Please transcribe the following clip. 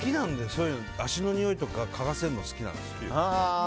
そういう足のにおいとか嗅がせるの好きなんですよ。